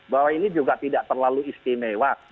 bahwa ini juga tidak terlalu istimewa